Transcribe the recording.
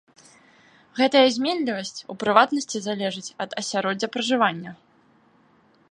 Гэтая зменлівасць у прыватнасці залежыць ад асяроддзя пражывання.